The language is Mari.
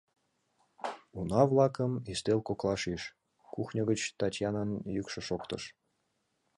Уна-влакым ӱстел коклаш ӱж, — кухньо гыч Татьянан йӱкшӧ шоктыш.